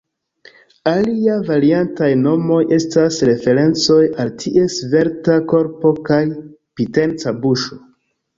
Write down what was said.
Alia variantaj nomoj estas referencoj al ties svelta korpo kaj pinteca buŝo.